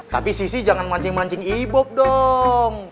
tapi sisi jangan mancing mancing ibab dong